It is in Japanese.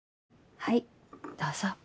はいどうぞ。